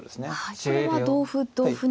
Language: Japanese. これは同歩同歩に。